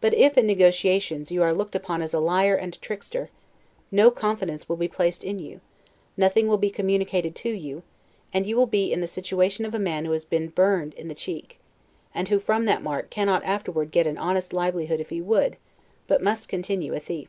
But if, in negotiations, you are looked upon as a liar and a trickster, no confidence will be placed in you, nothing will be communicated to you, and you will be in the situation of a man who has been burned in the cheek; and who, from that mark, cannot afterward get an honest livelihood if he would, but must continue a thief.